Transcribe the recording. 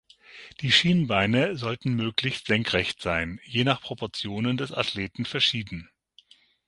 Die Schienbeine sollten möglichst senkrecht sein, je nach Proportionen des Athleten verschieden.